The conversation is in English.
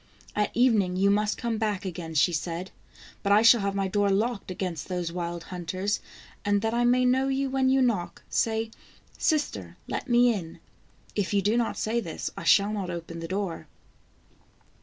" At evening you must come back again," she said. " But I shall have my door locked against those wild hunters, and that I may know you when you knock, say: 'Sister, let me in.' If you do not say this, I shall not open the door."